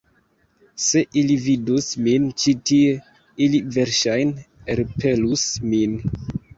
Se ili vidus min ĉi tie, ili verŝajne elpelus min.